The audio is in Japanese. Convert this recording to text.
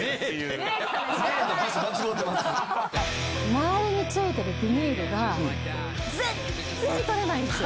周りについてるビニールが全っ然取れないんですよ。